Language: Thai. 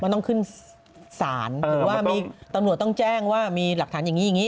มันต้องขึ้นสารหรือว่าตำรวจต้องแจ้งว่ามีหลักฐานอย่างนี้